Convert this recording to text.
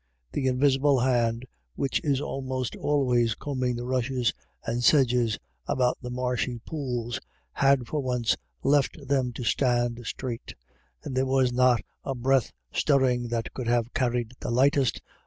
The invisible hand, which is almost always combing the rushes and sedges about the marshy pools, had for once left them to stand straight, and there was not a breath stirring that could have carried the lightest THUNDER IN THE AIR.